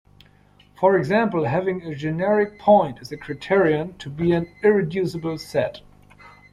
For example having a generic point is a criterion to be an irreducible set.